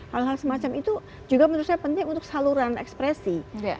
hal hal semacam itu juga menurut saya penting untuk saluran ekspresi